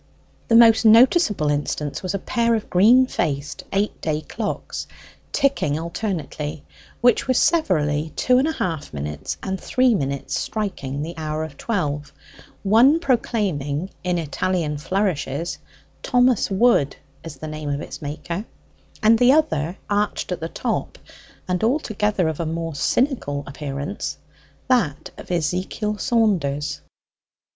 The most noticeable instance was a pair of green faced eight day clocks, ticking alternately, which were severally two and half minutes and three minutes striking the hour of twelve, one proclaiming, in Italian flourishes, Thomas Wood as the name of its maker, and the other arched at the top, and altogether of more cynical appearance that of Ezekiel Saunders.